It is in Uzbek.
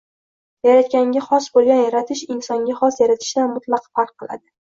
Yaratganga xos boʻlgan yaratish insonga xos yaratishdan mutlaq farq qiladi